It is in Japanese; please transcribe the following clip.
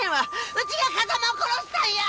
うちが風間を殺したんや！